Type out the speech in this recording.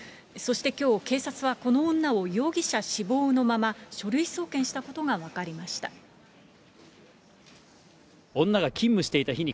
そしてきょう、警察はこの女を容疑者死亡のまま書類送検したことが分かりました。